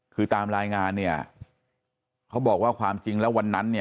คือตามรายงานเขาบอกว่าความจริงแล้ววันนั้น